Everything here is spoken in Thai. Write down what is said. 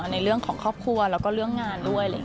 ในเรื่องของครอบครัวแล้วก็เรื่องงานด้วย